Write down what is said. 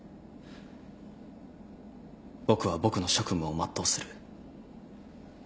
僕は僕の職務を全うする。